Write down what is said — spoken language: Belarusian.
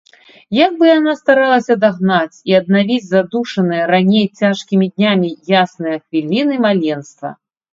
Як бы яна старалася дагнаць і аднавіць задушаныя раней цяжкімі днямі ясныя хвіліны маленства!